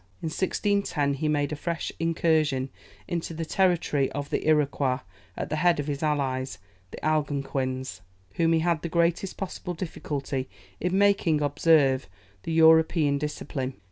In 1610, he made a fresh incursion into the territory of the Iroquois, at the head of his allies, the Algonquins, whom he had the greatest possible difficulty in making observe the European discipline.